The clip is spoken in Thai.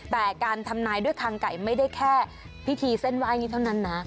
แต่การทำนายด้วยคางไก่ไม่ได้แค่พิธีเส้นไหว้นี้เท่านั้นนะ